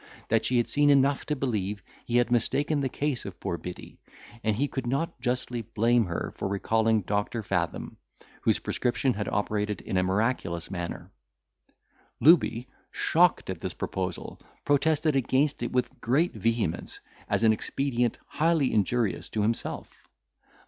That she had seen enough to believe he had mistaken the case of poor Biddy, and he could not justly blame her for recalling Doctor Fathom, whose prescription had operated in a miraculous manner. Looby, shocked at this proposal, protested against it with great vehemence, as an expedient highly injurious to himself.